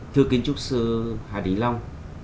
thưa kiến trúc sư hà đình long